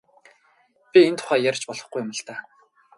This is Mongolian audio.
Би энэ тухай ярьж болохгүй юм л даа.